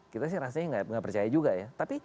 kita sih rasanya enggak percaya juga ya tapi